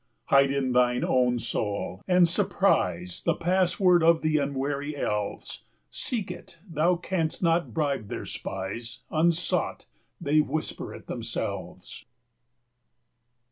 60 Hide in thine own soul, and surprise The password of the unwary elves; Seek it, thou canst not bribe their spies; Unsought, they whisper it themselves.